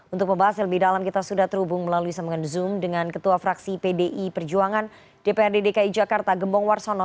untuk membahas lebih dalam kita sudah terhubung melalui semangat zoom dengan ketua fraksi pdi perjuangan dprd dki jakarta gembong warsono